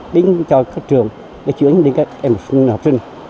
đến cho các trường để chuyển đến các em học sinh